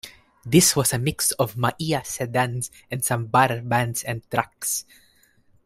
This was a mix of Maia sedans and Sambar vans and trucks.